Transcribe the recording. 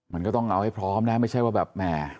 มันก็ต้องเอาให้พร้อมนะไม่ใช่ว่าแบบแหม